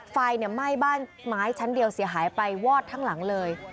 ไฟไหม้บ้านไม้ชั้นเดียวเสียหายไปวอดทั้งหลังเลย